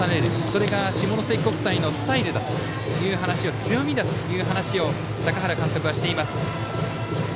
それが下関国際のスタイル強みだという話を坂原監督はしています。